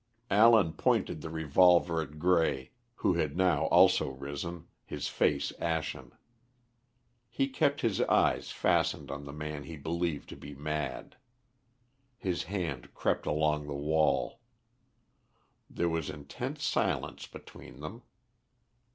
Allen pointed the revolver at Grey, who had now also risen, his face ashen. He kept his eyes fastened on the man he believed to be mad. His hand crept along the wall. There was intense silence between them.